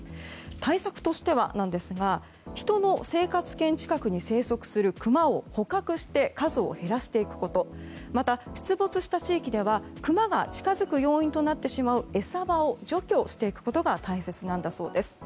対策としては人の生活圏近くに生息するクマを捕獲して、数を減らしていくことまた、出没した地域ではクマが近づく要因となってしまう餌場を除去していくことが大切なんだそうです。